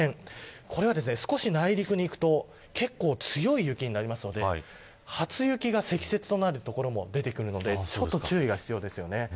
これは少し内陸にいくと結構、強い雪になるので初雪が積雪となる所も出てくるのでちょっと注意が必要ですよね。